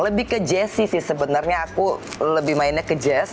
lebih ke jazzy sih sebenarnya aku lebih mainnya ke jazz